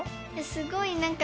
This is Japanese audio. すごい何か。